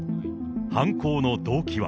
犯行の動機は。